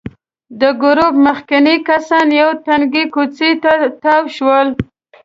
د ګروپ مخکېني کسان یوې تنګې کوڅې ته تاو شول.